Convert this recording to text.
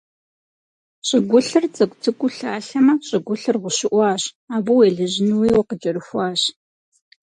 ЩӀыгулъыр цӀыкӀу-цӀыкӀуу лъалъэмэ, щӀыгулъыр гъущыӀуащ, абы уелэжьынуи укъыкӀэрыхуащ.